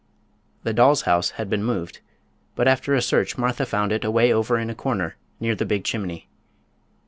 The doll's house had been moved, but after a search Martha found it away over in a corner near the big chimney.